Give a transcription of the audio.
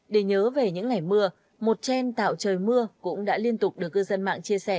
để nhớ về những ngày mưa một trend tạo trời mưa cũng đã liên tục được cư dân mạng chia sẻ